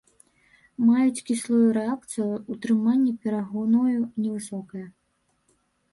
Маюць кіслую рэакцыю, утрыманне перагною невысокае.